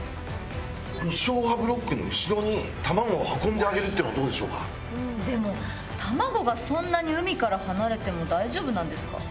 消波ブロックの後ろに卵を運んであげるっていうのはどうでしょうでも、卵がそんなに海から離れても大丈夫なんですか？